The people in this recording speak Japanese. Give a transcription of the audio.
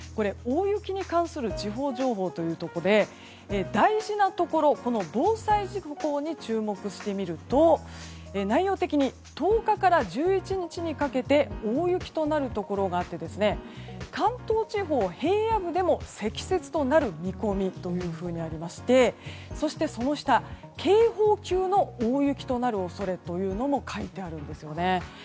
大雪に関する地方情報ということで大事なところ防災事項に注目してみると内容的に１０日から１１日にかけて大雪となるところがあって関東地方平野部でも積雪となる見込みというふうにありましてそして警報級の大雪となる恐れとも書いてあるんですよね。